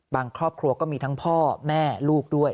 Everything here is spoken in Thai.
บางข้อคลัวก็มีทั้งพ่อแม่ลูกด้วย